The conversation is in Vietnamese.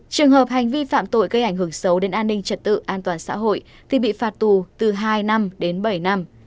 trường hợp hành vi phạm tội gây ảnh hưởng xấu đến an ninh trật tự an toàn xã hội thì bị phạt tù từ hai năm đến bảy năm